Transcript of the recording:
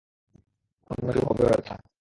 অন্য কেউ হবে হয়ত।